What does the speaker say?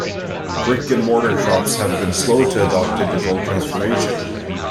Brick and mortar shops have been slow to adopt digital transformation.